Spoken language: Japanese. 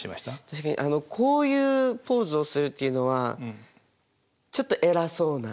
確かにあのこういうポーズをするっていうのは偉そうな。